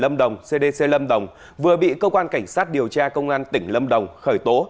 lâm đồng cdc lâm đồng vừa bị cơ quan cảnh sát điều tra công an tỉnh lâm đồng khởi tố